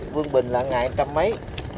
quân bình là ngày trăm mấy